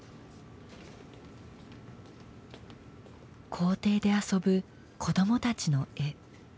校庭で遊ぶ子どもたちの絵。